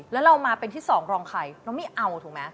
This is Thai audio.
แล้วเรามาเป็นที่สองรองใครเราไม่เอาถูกไหม